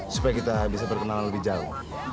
supaya kita bisa berkenalan lebih jauh